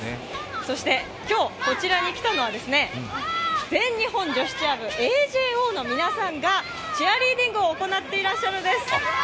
そして、今日こちらに来たのは全日本女子チア部、ＡＪＯの皆さんがチアリーディングを行っています。